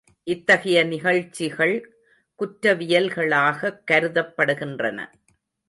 இத்தகைய நிகழ்ச்சிகள் குற்றவியல்களாகக் கருதப்படுகின்றன.